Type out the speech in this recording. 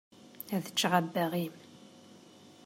Ad ččeɣ abbaɣ-im.